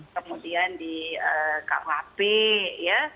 kemudian di kuap ya